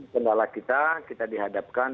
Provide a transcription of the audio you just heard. kendala kita kita dihadapkan